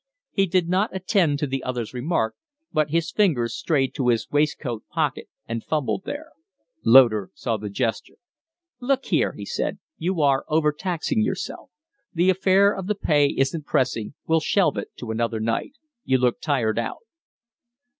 He did not attend to the other's remark, but his fingers strayed to his waistcoat pocket and fumbled there. Loder saw the gesture. "Look here," he said, "you are overtaxing yourself. The affair of the pay isn't pressing; we'll shelve it to another night. You look tired out."